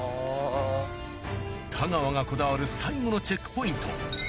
太川がこだわる最後のチェックポイント。